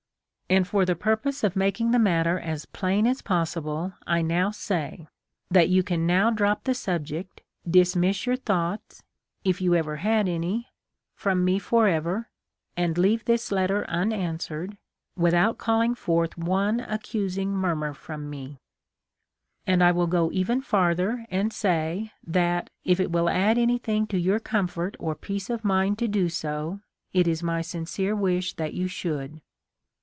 And for the purpose of making the matter as plain as possible, I now say, that you can now drop the subject, dismiss your thoughts (if you THE LIFE OF LINCOLN: 155 ever had any) from me forever, and leave this letter unanswered, without calling forth one accusing mur mur from me. And I will even go farther, and say, that if it will add anything to your comfort or peace of mind to do so, it is my sincere wish that you should.